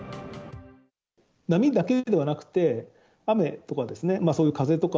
波だけではなくて、雨とかそういう風とか、